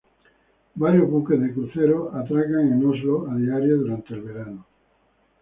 Varios buques de cruceros atracan en Oslo a diario durante el verano.